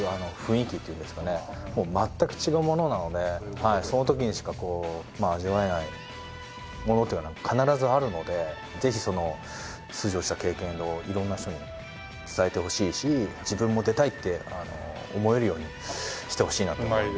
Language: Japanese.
もう全く違うものなのでその時にしか味わえないものというのは必ずあるのでぜひ出場した経験をいろんな人に伝えてほしいし自分も出たいって思えるようにしてほしいなって思います。